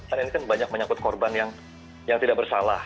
karena ini kan banyak menyangkut korban yang tidak bersalah